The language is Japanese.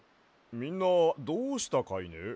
みんなどうしたかいね？